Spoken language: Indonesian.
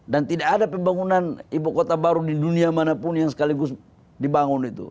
dan tidak ada pembangunan ibu kota baru di dunia manapun yang sekaligus dibangun itu